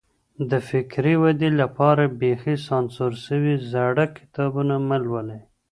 د فکري ودې لپاره بېخي سانسور سوي زړه کتابونه مه لولئ.